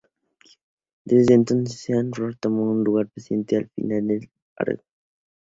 Desde entonces, Sean Rooney tomó el lugar de presidente de la filial argentina.